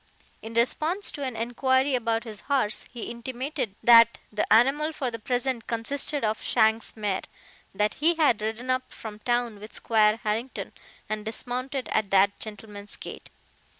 In response to an enquiry about his horse, he intimated that that animal for the present consisted of Shank's mare; that he had ridden up from town with Squire Harrington, and dismounted at that gentleman's gate.